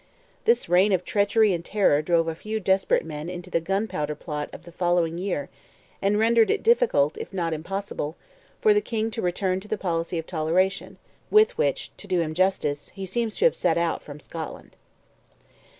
This reign of treachery and terror drove a few desperate men into the gunpowder plot of the following year, and rendered it difficult, if not impossible, for the King to return to the policy of toleration, with which, to do him justice, he seems to have set out from Scotland.